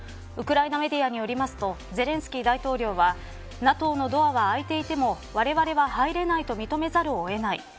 ウクライナメディアによりますとゼレンスキー大統領はＮＡＴＯのドアは開いていてもわれわれは入れないと認めざるをえない。